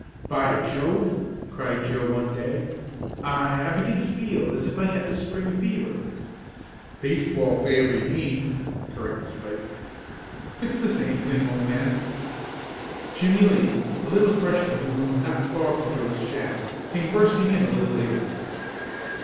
"By Jove!" cried Joe one day, "I I begin to feel as if I had the spring fever." "Baseball fever you mean," corrected Spike. "It's the same thing, old man." Jimmie Lee, a little Freshman who roomed not far from Joe's shack, came bursting in a little later.